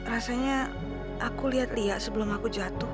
rasanya aku liat liya sebelum aku jatuh